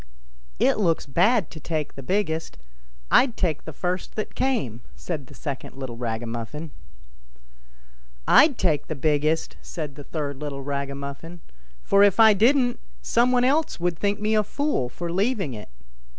" It looks bad to take the biggest ; I'd take the first that came," said the second little ragamuffin. " I'd take the biggest !" said the third little raga muffin ;" for if I didn't, some one else would think me a fool for leaving it."